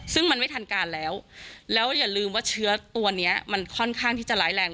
ซึ่งมันไม่ทันการแล้วแล้วอย่าลืมว่าเชื้อตัวนี้มันค่อนข้างที่จะร้ายแรง